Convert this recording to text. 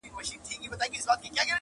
• د طلا او جواهرو له شامته -